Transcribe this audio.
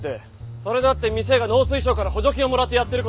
それだって店が農水省から補助金をもらってやってる事でしょ？